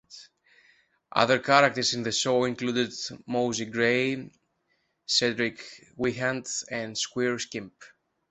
Other characters in the show included "Mousey Gray", "Cedric Wehunt", and "Squire Skimp".